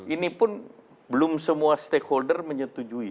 ini pun belum semua stakeholder menyetujui